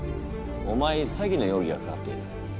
お前にさぎのようぎがかかっている。